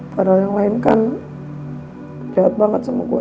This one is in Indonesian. padahal yang lain kan dekat banget sama gue